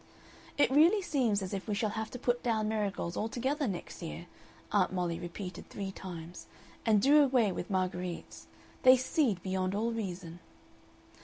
"It really seems as if we shall have to put down marigolds altogether next year," Aunt Molly repeated three times, "and do away with marguerites. They seed beyond all reason."